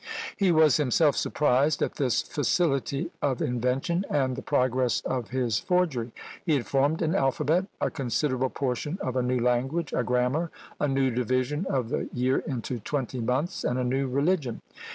He was himself surprised at his facility of invention, and the progress of his forgery. He had formed an alphabet, a considerable portion of a new language, a grammar, a new division of the year into twenty months, and a new religion!